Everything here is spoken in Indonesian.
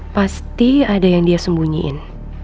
pasti ada yang dia sembunyiin